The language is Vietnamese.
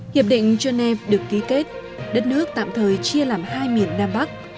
hiệp định genève được ký kết đất nước tạm thời chia làm hai miền nam bắc